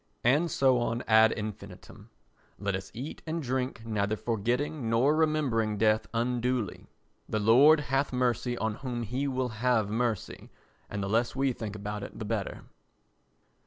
And so on ad infinitum. Let us eat and drink neither forgetting nor remembering death unduly. The Lord hath mercy on whom he will have mercy and the less we think about it the better.